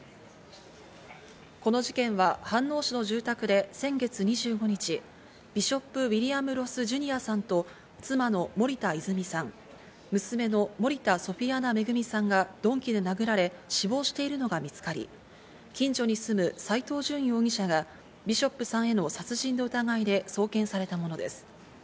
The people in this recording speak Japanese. この事件は飯能市の住宅で先月２５日、ビショップ・ウィリアム・ロス・ジュニアさんと、妻の森田泉さん、娘の森田ソフィアナ恵さんが鈍器で殴られ、死亡しているのが見つかり、近所に住む斎藤淳容疑者が、ビショップさんへの殺人の疑いで送検されたものです。